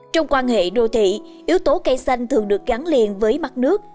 trong quan hệ đô thị yếu tố cây xanh thường được gắn liền với mặt nước